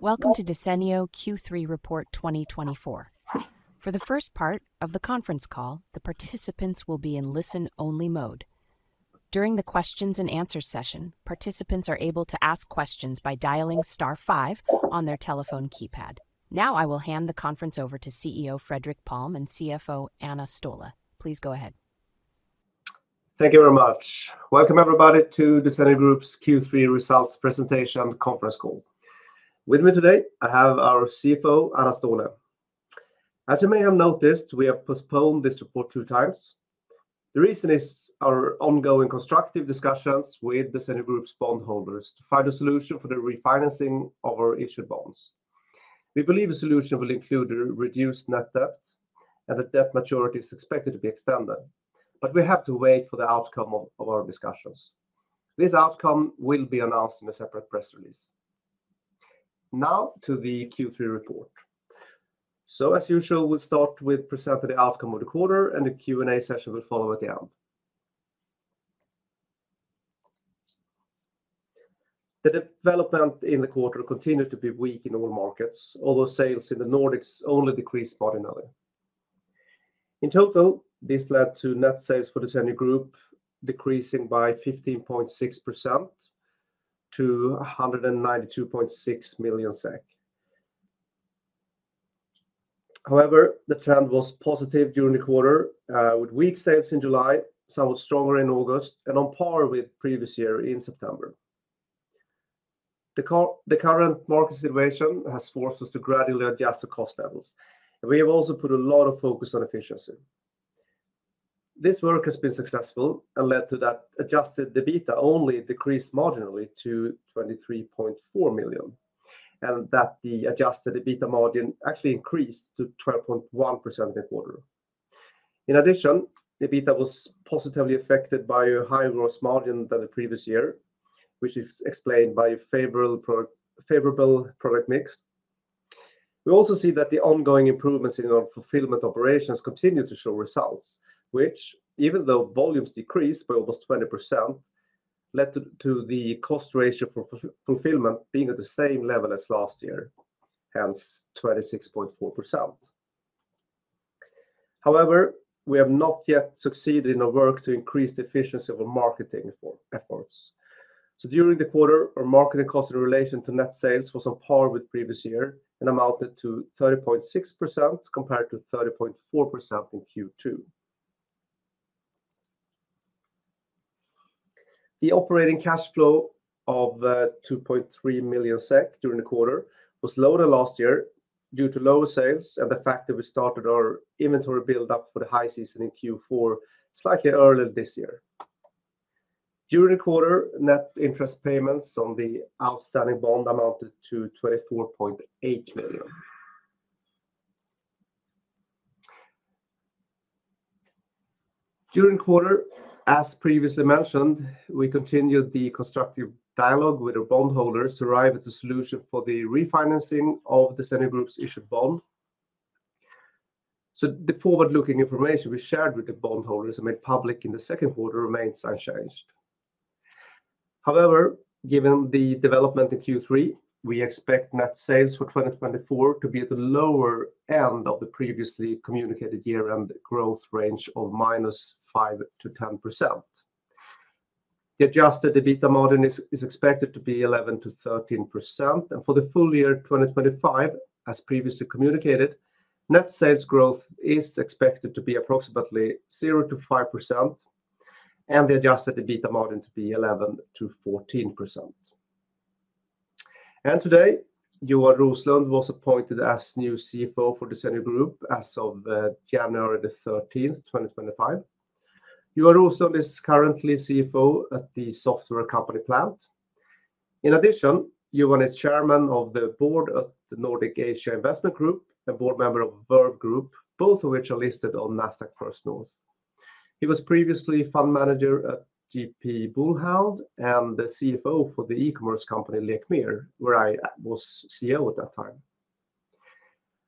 Welcome to Desenio Q3 Report 2024. For the first part of the conference call, the participants will be in listen-only mode. During the Q&A session, participants are able to ask questions by dialing star five on their telephone keypad. Now I will hand the conference over to CEO Fredrik Palm and CFO Anna Ståhle. Please go ahead. Thank you very much. Welcome, everybody, to Desenio Group's Q3 Results Presentation Conference Call. With me today, I have our CFO, Anna Ståhle. As you may have noticed, we have postponed this report two times. The reason is our ongoing constructive discussions with Desenio Group's bondholders to find a solution for the refinancing of our issued bonds. We believe a solution will include a reduced net debt, and the debt maturity is expected to be extended, but we have to wait for the outcome of our discussions. This outcome will be announced in a separate press release. Now to the Q3 report, so as usual, we'll start with presenting the outcome of the quarter, and the Q&A session will follow at the end. The development in the quarter continued to be weak in all markets, although sales in the Nordics only decreased marginally. In total, this led to net sales for Desenio Group decreasing by 15.6%-SEK 192.6 million. However, the trend was positive during the quarter, with weak sales in July, somewhat stronger in August, and on par with previous year in September. The current market situation has forced us to gradually adjust the cost levels, and we have also put a lot of focus on efficiency. This work has been successful and led to that adjusted EBITDA only decreased marginally to 23.4 million, and that the adjusted EBITDA margin actually increased to 12.1% in the quarter. In addition, EBITDA was positively affected by a higher gross margin than the previous year, which is explained by a favorable product mix. We also see that the ongoing improvements in our fulfillment operations continue to show results, which, even though volumes decreased by almost 20%, led to the cost ratio for fulfillment being at the same level as last year, hence 26.4%. However, we have not yet succeeded in our work to increase the efficiency of our marketing efforts. So, during the quarter, our marketing cost in relation to net sales was on par with previous year and amounted to 30.6% compared to 30.4% in Q2. The operating cash flow of 2.3 million SEK during the quarter was lower than last year due to lower sales and the fact that we started our inventory build-up for the high season in Q4 slightly earlier this year. During the quarter, net interest payments on the outstanding bond amounted to 24.8 million. During the quarter, as previously mentioned, we continued the constructive dialogue with our bondholders to arrive at a solution for the refinancing of Desenio Group's issued bond. So, the forward-looking information we shared with the bondholders and made public in the second quarter remains unchanged. However, given the development in Q3, we expect net sales for 2024 to be at the lower end of the previously communicated year-end growth range of -5%-10%. The adjusted EBITDA margin is expected to be 11%-13%, and for the full year 2025, as previously communicated, net sales growth is expected to be approximately 0%-5%, and the adjusted EBITDA margin to be 11%-14%. Today, Joar Roslund was appointed as new CFO for Desenio Group as of January 13, 2025. Joar Roslund is currently CFO at the software company Plant. In addition, Joar is chairman of the board at the Nordic Asia Investment Group and board member of Verve Group, both of which are listed on Nasdaq First North. He was previously fund manager at GP Bullhound and the CFO for the e-commerce company Lekmer, where I was CEO at that time.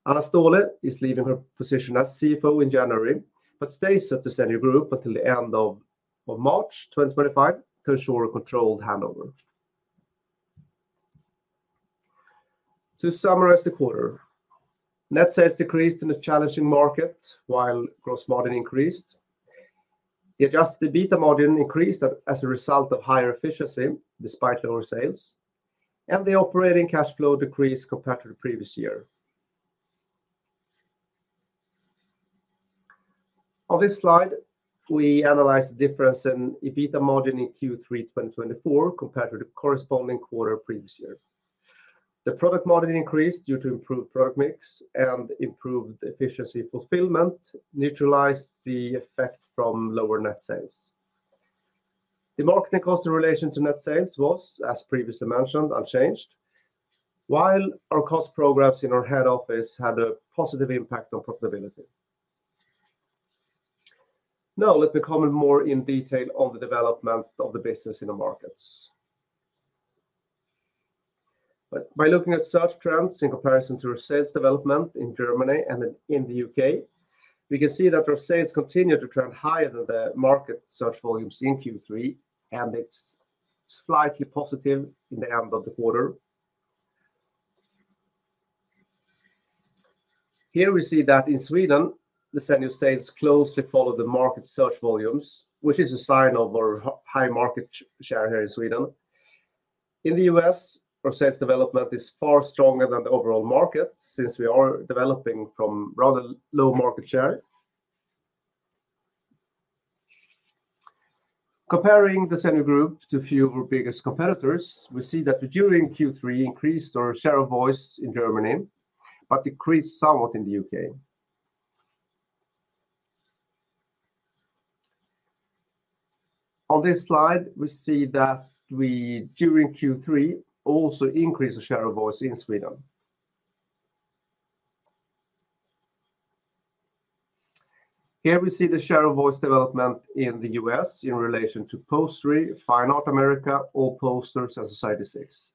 Anna Ståhle is leaving her position as CFO in January but stays at Desenio Group until the end of March 2025 to ensure a controlled handover. To summarize the quarter, net sales decreased in a challenging market while gross margin increased. The adjusted EBITDA margin increased as a result of higher efficiency despite lower sales, and the operating cash flow decreased compared to the previous year. On this slide, we analyze the difference in EBITDA margin in Q3 2024 compared to the corresponding quarter previous year. The product margin increased due to improved product mix and improved efficiency fulfillment, neutralized the effect from lower net sales. The marketing cost in relation to net sales was, as previously mentioned, unchanged, while our cost programs in our head office had a positive impact on profitability. Now let me comment more in detail on the development of the business in the markets. By looking at search trends in comparison to our sales development in Germany and in the U.K., we can see that our sales continue to trend higher than the market search volumes in Q3, and it's slightly positive in the end of the quarter. Here we see that in Sweden, Desenio's sales closely follow the market search volumes, which is a sign of our high market share here in Sweden. In the U.S., our sales development is far stronger than the overall market since we are developing from rather low market share. Comparing Desenio Group to few of our biggest competitors, we see that during Q3, we increased our share of voice in Germany but decreased somewhat in the U.K. On this slide, we see that we during Q3 also increased our share of voice in Sweden. Here we see the share of voice development in the U.S. in relation to Postery, Fine Art America, AllPosters, and Society6.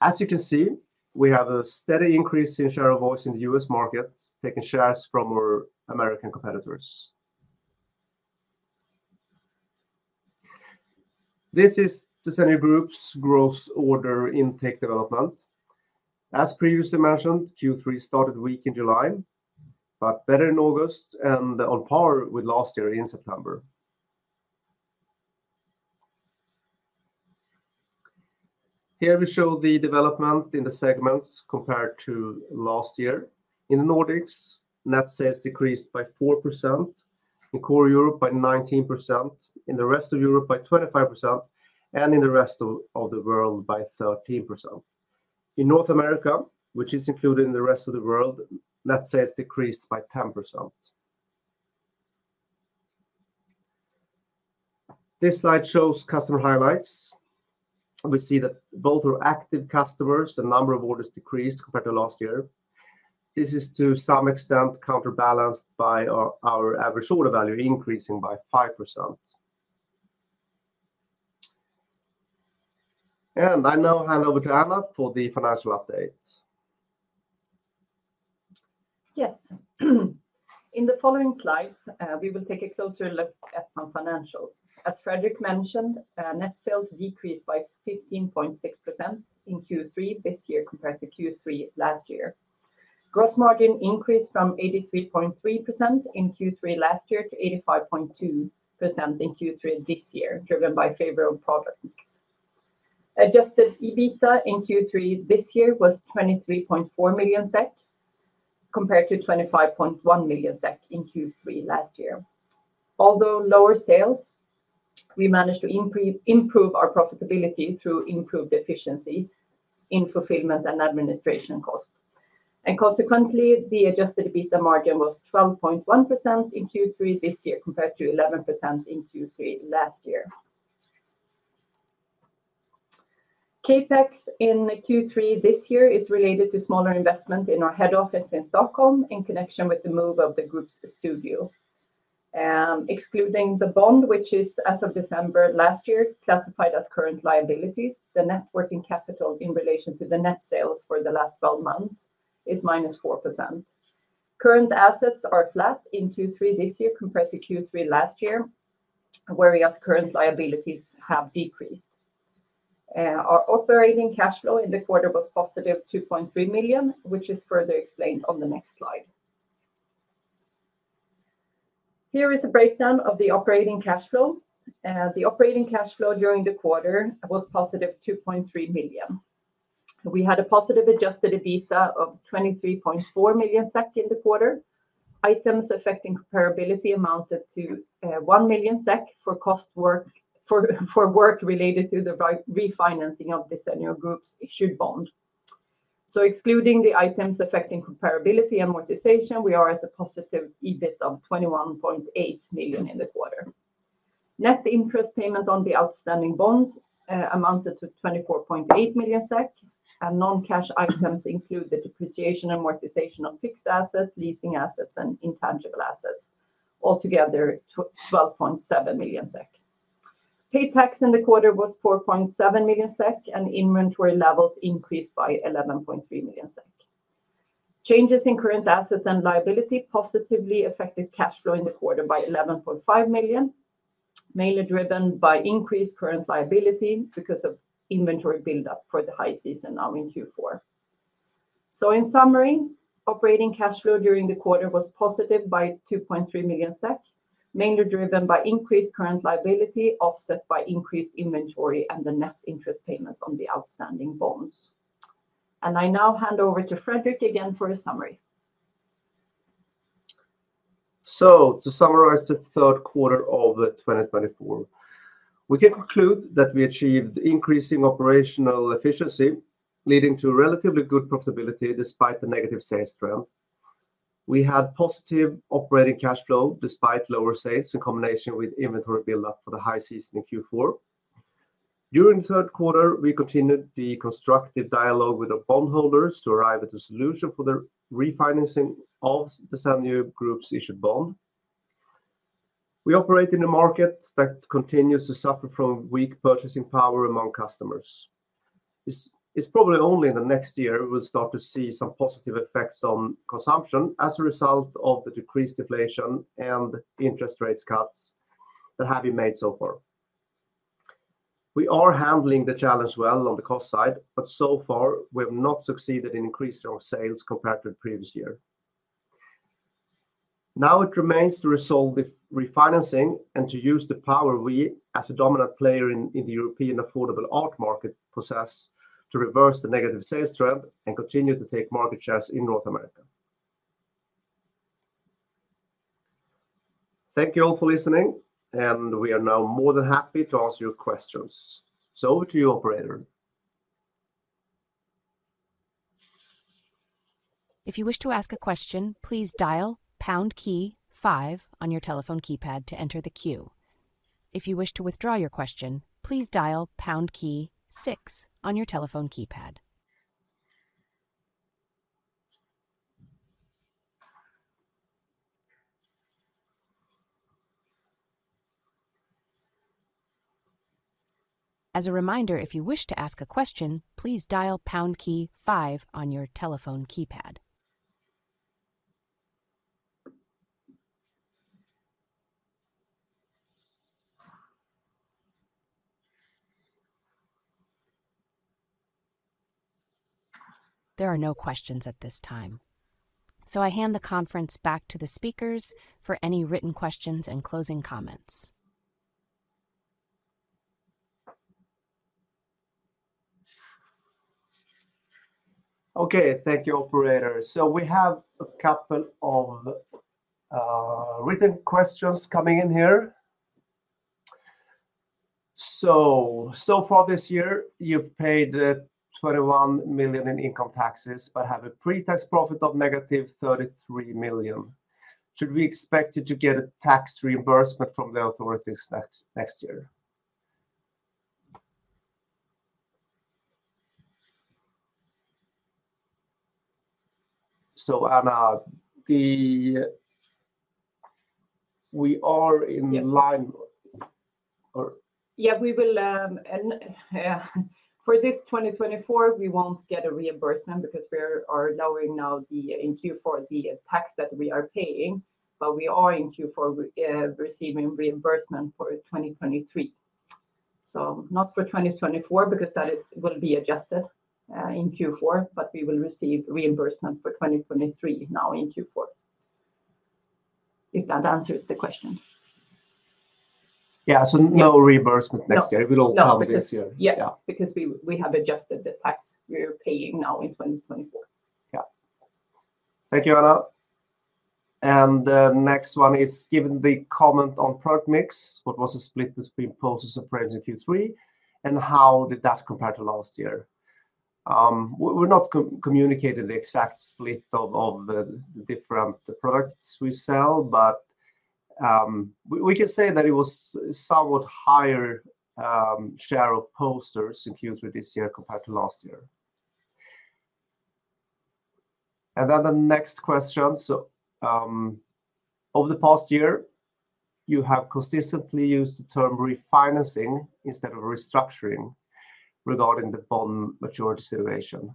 As you can see, we have a steady increase in share of voice in the U.S. market, taking shares from our American competitors. This is Desenio Group's gross order intake development. As previously mentioned, Q3 started weak in July but better in August and on par with last year in September. Here we show the development in the segments compared to last year. In the Nordics, net sales decreased by 4%, in Core Europe by 19%, in the Rest of Europe by 25%, and in the Rest of the World by 13%. In North America, which is included in the Rest of the World, net sales decreased by 10%. This slide shows customer highlights. We see that both our active customers and number of orders decreased compared to last year. This is to some extent counterbalanced by our average order value increasing by 5%. And I now hand over to Anna for the financial update. Yes. In the following slides, we will take a closer look at some financials. As Fredrik mentioned, net sales decreased by 15.6% in Q3 this year compared to Q3 last year. Gross margin increased from 83.3% in Q3 last year to 85.2% in Q3 this year, driven by favorable product mix. Adjusted EBITDA in Q3 this year was 23.4 million SEK compared to 25.1 million SEK in Q3 last year. Although lower sales, we managed to improve our profitability through improved efficiency in fulfillment and administration costs. And consequently, the adjusted EBITDA margin was 12.1% in Q3 this year compared to 11% in Q3 last year. CAPEX in Q3 this year is related to smaller investment in our head office in Stockholm in connection with the move of the group's studio. Excluding the bond, which is, as of December last year, classified as current liabilities, the net working capital in relation to the net sales for the last 12 months is minus 4%. Current assets are flat in Q3 this year compared to Q3 last year, whereas current liabilities have decreased. Our operating cash flow in the quarter was positive 2.3 million, which is further explained on the next slide. Here is a breakdown of the operating cash flow. The operating cash flow during the quarter was positive 2.3 million. We had a positive adjusted EBITDA of 23.4 million SEK in the quarter. Items affecting comparability amounted to 1 million SEK for costs related to the refinancing of Desenio Group's issued bond. So, excluding the items affecting comparability and amortization, we are at a positive EBITDA of 21.8 million in the quarter. Net interest payment on the outstanding bonds amounted to 24.8 million SEK, and non-cash items include the depreciation and amortization of fixed assets, leasing assets, and intangible assets, altogether 12.7 million SEK. Tax paid in the quarter was 4.7 million SEK, and inventory levels increased by 11.3 million SEK. Changes in current assets and liabilities positively affected cash flow in the quarter by 11.5 million, mainly driven by increased current liabilities because of inventory build-up for the high season now in Q4. So, in summary, operating cash flow during the quarter was positive by 2.3 million SEK, mainly driven by increased current liabilities offset by increased inventory and the net interest payment on the outstanding bonds. And I now hand over to Fredrik again for a summary. So, to summarize the third quarter of 2024, we can conclude that we achieved increasing operational efficiency, leading to relatively good profitability despite the negative sales trend. We had positive operating cash flow despite lower sales in combination with inventory build-up for the high season in Q4. During the third quarter, we continued the constructive dialogue with our bondholders to arrive at a solution for the refinancing of Desenio Group's issued bond. We operate in a market that continues to suffer from weak purchasing power among customers. It's probably only in the next year we'll start to see some positive effects on consumption as a result of the decreased inflation and interest rate cuts that have been made so far. We are handling the challenge well on the cost side, but so far we have not succeeded in increasing our sales compared to the previous year. Now it remains to resolve the refinancing and to use the power we as a dominant player in the European affordable art market possess to reverse the negative sales trend and continue to take market shares in North America. Thank you all for listening, and we are now more than happy to answer your questions. So, over to you, operator. If you wish to ask a question, please dial pound key five on your telephone keypad to enter the queue. If you wish to withdraw your question, please dial pound key six on your telephone keypad. As a reminder, if you wish to ask a question, please dial pound key five on your telephone keypad. There are no questions at this time. So, I hand the conference back to the speakers for any written questions and closing comments. Okay, thank you, operator. We have a couple of written questions coming in here. So far this year, you've paid 21 million in income taxes but have a pre-tax profit of negative 33 million. Should we expect you to get a tax reimbursement from the authorities next year? Anna, we are in line or? Yeah, we will. For this 2024, we won't get a reimbursement because we are lowering now the tax in Q4 that we are paying, but we are in Q4 receiving reimbursement for 2023. So, not for 2024 because that will be adjusted in Q4, but we will receive reimbursement for 2023 now in Q4. If that answers the question. Yeah, so no reimbursement next year. No. No. It will come this year. Yeah, because we have adjusted the tax we're paying now in 2024. Yeah. Thank you, Anna. And the next one is given the comment on product mix, what was the split between Postery, frames, and Q3, and how did that compare to last year? We're not communicating the exact split of the different products we sell, but we can say that it was somewhat higher share of posters in Q3 this year compared to last year. And then the next question. So, over the past year, you have consistently used the term refinancing instead of restructuring regarding the bond maturity situation.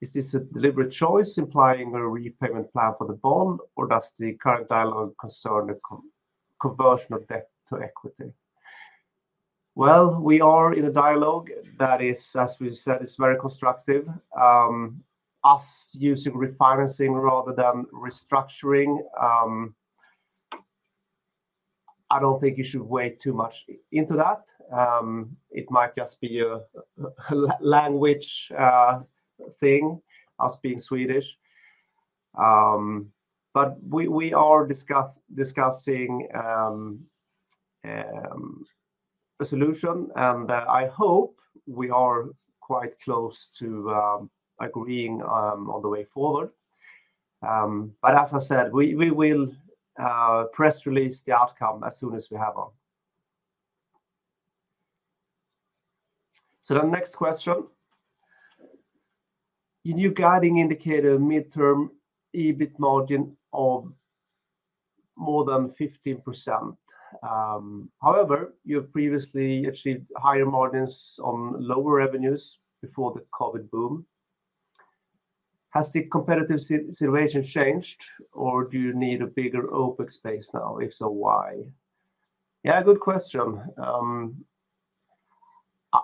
Is this a deliberate choice implying a repayment plan for the bond, or does the current dialogue concern a conversion of debt to equity? Well, we are in a dialogue that is, as we said, it's very constructive. Us using refinancing rather than restructuring, I don't think you should weigh too much into that. It might just be a language thing, us being Swedish. But we are discussing a solution, and I hope we are quite close to agreeing on the way forward. But as I said, we will press release the outcome as soon as we have one. So, the next question. In your guiding indicator, midterm EBIT margin of more than 15%. However, you have previously achieved higher margins on lower revenues before the COVID boom. Has the competitive situation changed, or do you need a bigger open space now? If so, why? Yeah, good question.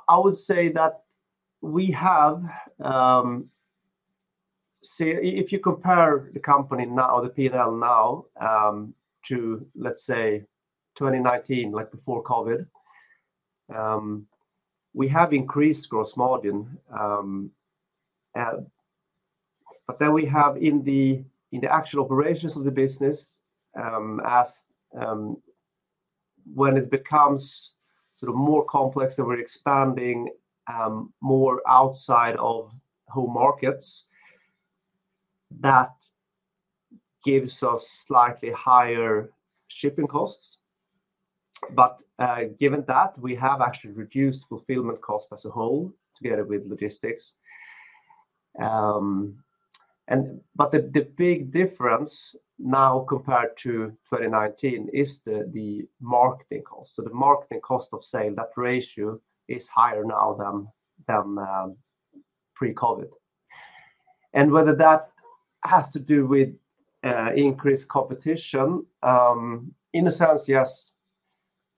I would say that we have, if you compare the company now, the P&L now, to, let's say, 2019, like before COVID, we have increased gross margin. But then we have in the actual operations of the business, when it becomes sort of more complex and we're expanding more outside of home markets, that gives us slightly higher shipping costs. But given that, we have actually reduced fulfillment costs as a whole together with logistics. But the big difference now compared to 2019 is the marketing cost. So, the marketing cost of sale, that ratio is higher now than pre-COVID. And whether that has to do with increased competition, in a sense, yes.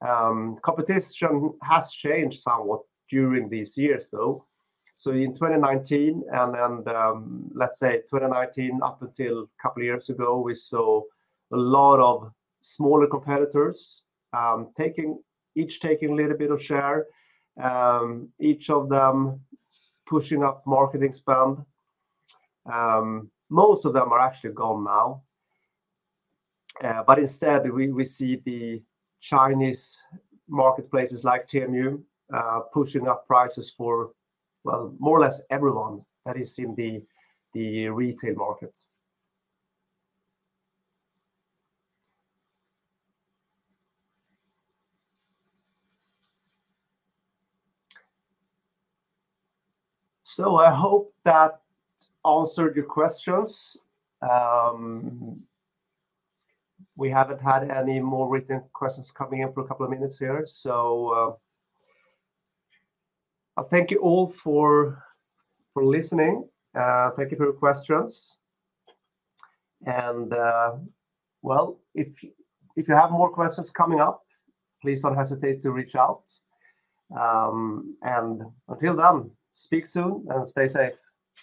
Competition has changed somewhat during these years, though. So, in 2019 and, let's say, 2019 up until a couple of years ago, we saw a lot of smaller competitors each taking a little bit of share, each of them pushing up marketing spend. Most of them are actually gone now. But instead, we see the Chinese marketplaces like Temu pushing up prices for, well, more or less everyone that is in the retail market. So, I hope that answered your questions. We haven't had any more written questions coming in for a couple of minutes here. So, I'll thank you all for listening. Thank you for your questions. And, well, if you have more questions coming up, please don't hesitate to reach out. And until then, speak soon and stay safe.